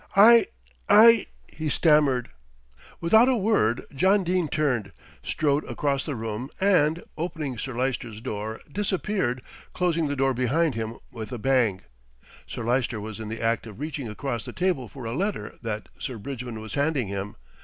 "I I " he stammered. Without a word John Dene turned, strode across the room and, opening Sir Lyster's door, disappeared, closing the door behind him with a bang. Sir Lyster was in the act of reaching across the table for a letter that Sir Bridgman was handing him.